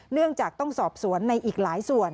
เนื่องจากต้องสอบสวนในอีกหลายส่วน